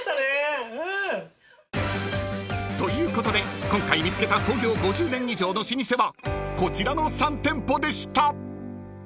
［ということで今回見つけた創業５０年以上の老舗はこちらの３店舗でした］